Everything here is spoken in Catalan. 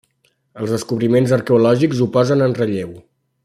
Els descobriments arqueològics ho posen en relleu.